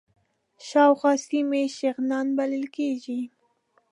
شاوخوا سیمه یې شغنان بلل کېږي.